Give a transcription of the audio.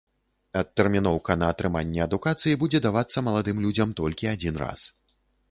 Адтэрміноўка на атрыманне адукацыі будзе давацца маладым людзям толькі адзін раз.